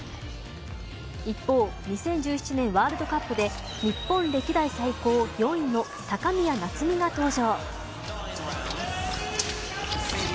一方２０１７年ワールドカップで日本歴代最高４位の高宮なつ美が登場。